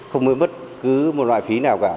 không mất cứ một loại phí nào cả